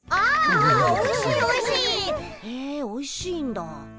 へえおいしいんだ。